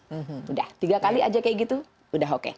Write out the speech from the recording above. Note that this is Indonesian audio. sudah tiga kali saja seperti itu sudah oke